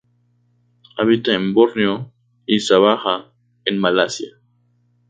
Habita en Borneo, y Sabah en Malasia.